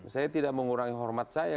saya tidak mengurangi hormat saya